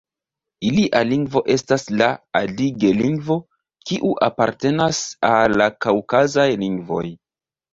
Ilia lingvo estas la adige-lingvo, kiu apartenas al la kaŭkazaj lingvoj.